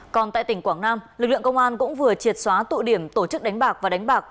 còn tại tỉnh quảng nam lực lượng công an cũng vừa triệt xóa tụ điểm tổ chức đánh bạc và đánh bạc